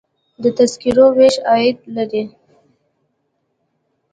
د تذکرو ویش عاید لري